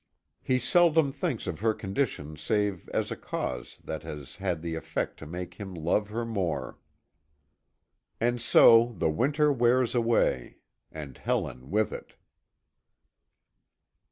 He seldom thinks of her condition save as a cause that has had the effect to make him love her more. And so, the winter wears away and Helen with it.